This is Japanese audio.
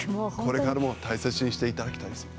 これからも大切にしていただきたいです。